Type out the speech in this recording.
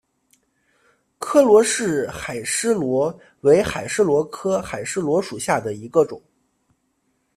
柯罗氏海蛳螺为海蛳螺科海蛳螺属下的一个种。